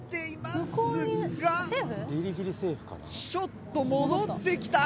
ちょっと戻ってきた？